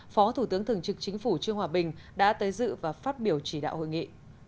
phó thủ tướng thường trực chính phủ trương hòa bình đã tới dự và phát biểu chỉ đạo hội nghị